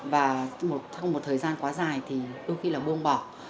và trong một thời gian quá dài thì đôi khi là buông bỏ